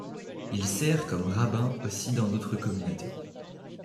Il sert comme rabbin aussi dans d'autres communautés.